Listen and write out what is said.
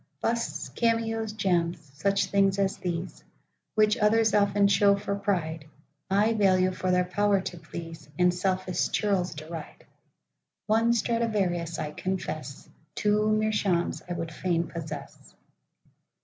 Busts, cameos, gems,—such things as these, Which others often show for pride,I value for their power to please, And selfish churls deride;—One Stradivarius, I confess, Two Meerschaums, I would fain possess.